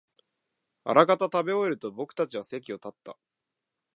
あらかた食べ終えると、僕たちは席を立った